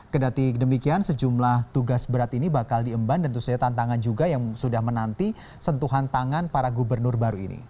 kedati demikian sejumlah tugas berat ini bakal diemban dan tentu saja tantangan juga yang sudah menanti sentuhan tangan para gubernur baru ini